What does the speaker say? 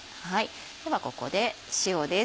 ではここで塩です。